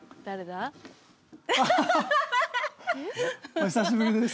お久しぶりです。